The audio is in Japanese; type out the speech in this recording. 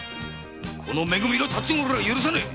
この「め組」の辰五郎が許さねえ！